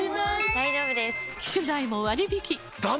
大丈夫です！